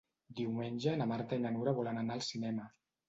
Diumenge na Marta i na Nura volen anar al cinema.